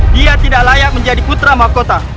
dia tidak layak menjadi putra mahkota